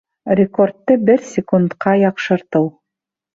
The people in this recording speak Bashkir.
Рекордты бер секундҡа яҡшыртыу